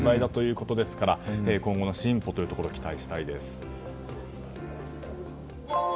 主にもなりうる存在だということですから今後の進歩に期待したいです。